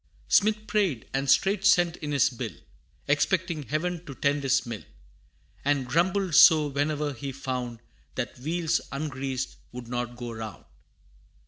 Smith prayed, and straight sent in his bill, Expecting Heaven to tend his mill; And grumbled sore, whene'er he found That wheels ungreased would not go round.